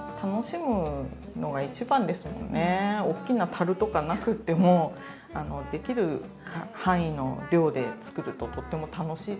おっきなたるとかなくてもできる範囲の量で作るととっても楽しいと思います。